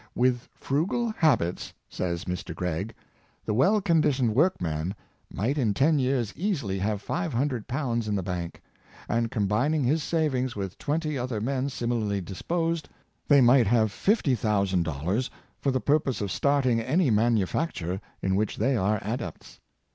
"With frugal habits,'' says Mr. Greg, "the well conditioned workman might in ten years easily have five hundred pounds in the bank; and, combining his savings with twenty other men similarly disposed, they might have fifty thousand dollars for the purpose of starting any manufacture in which they are adepts.